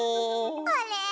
あれ？